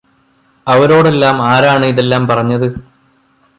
അവരോടെല്ലാം ആരാണ് ഇതെല്ലാം പറഞ്ഞത്